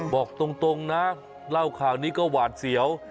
บอกตรงนะเล่าข่าวนี้ก็หวาดเสียว